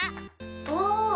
お！